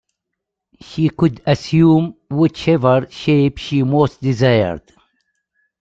She could assume whichever shape she most desired.